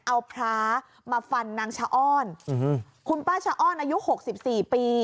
เอาพระมาฟันนางชะอ้อนคุณป้าชะอ้อนอายุ๖๔ปี